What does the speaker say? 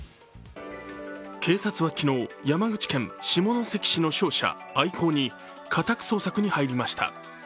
警察は昨日、山口県下関市の商社・アイコーに家宅捜索に入りました。